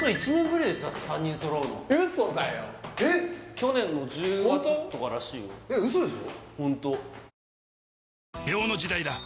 去年の１０月とからしいよえっ嘘でしょ？